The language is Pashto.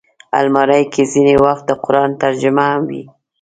الماري کې ځینې وخت د قرآن ترجمه هم وي